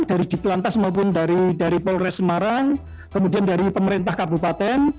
dari ditelantas maupun dari polres semarang kemudian dari pemerintah kabupaten